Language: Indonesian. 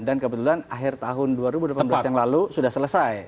dan kebetulan akhir tahun dua ribu delapan belas yang lalu sudah selesai